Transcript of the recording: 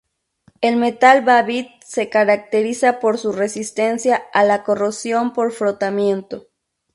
El metal Babbitt se caracteriza por su resistencia a la corrosión por frotamiento.